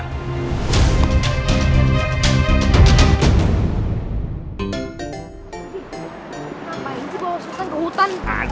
ngapain sih bawa sultan ke hutan